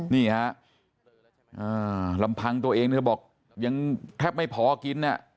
นี่ฮะลำพังตัวเองเธอบอกยังแทบไม่พอกิน